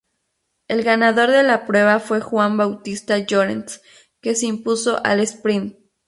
El ganador de la prueba fue Juan Bautista Llorens, que se impuso al sprint.